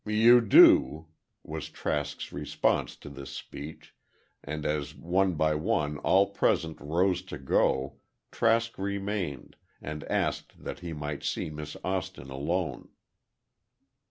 "You do," was Trask's response to this speech, and as one by one all present rose to go, Trask remained, and asked that he might see Miss Austin alone.